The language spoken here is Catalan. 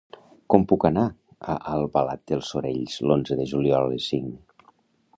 Com puc anar a Albalat dels Sorells l'onze de juliol a les cinc?